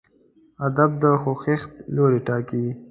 هدف د خوځښت لوری ټاکي.